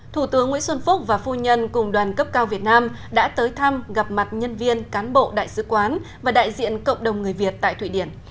thủ tướng nguyễn xuân phúc và phu nhân cùng đoàn cấp cao việt nam đã tới thăm gặp mặt nhân viên cán bộ đại sứ quán và đại diện cộng đồng người việt tại thụy điển